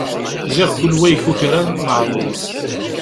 Ziɣ kul wa ikukran, meεduṛ.